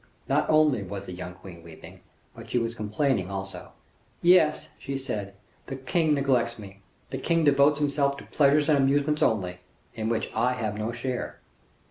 Not only was the young queen weeping, but she was complaining also. "Yes," she said, "the king neglects me, the king devotes himself to pleasures and amusements only, in which I have no share."